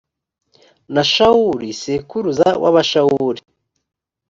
na shawuli sekuruza w’abashawuli.